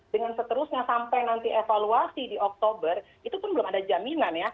dengan seterusnya sampai nanti evaluasi di oktober itu pun belum ada jaminan ya